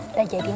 udah jadi neng